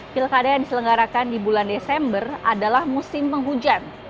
pilkada yang diselenggarakan di bulan desember adalah musim penghujan